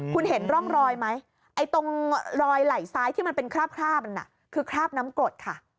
คุณเห็นร่องรอยไหมไอ้ตรงรอยไหล่ซ้ายที่มันเป็นคราบมันคือคราบน้ำกรดค่ะ